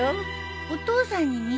お父さんに似てた？